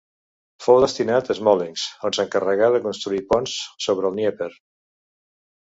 Fou destinat a Smolensk, on s'encarregà de construir ponts sobre el Dnièper.